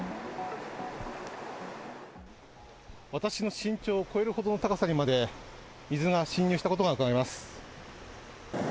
私の身長を超えるほどの高さにまで、水が浸入したことがうかがえます。